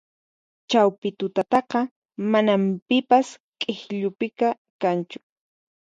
Chawpi tutataqa manan pipas k'ikllupiqa kanchu